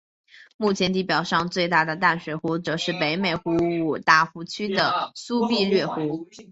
目前地表上最大的淡水湖则是北美洲五大湖区的苏必略湖。